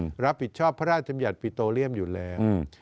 รับผิดชอบพระราชบัญญัติปิโตเรียมอยู่แล้ว